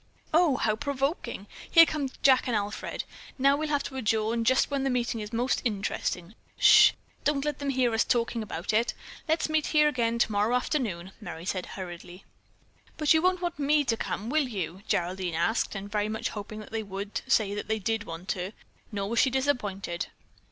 "Oh, how provoking, here come Jack and Alfred! Now we'll have to adjourn just when the meeting is most interesting. Ssh! Don't let them hear us talking about it. Let's meet here again tomorrow afternoon." Merry said hurriedly. "But you won't want me to come, will you?" Geraldine asked, very much hoping that they would say that they did want her. Nor was she disappointed.